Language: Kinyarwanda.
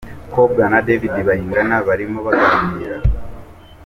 Cobra na David Bayingana barimo baganira.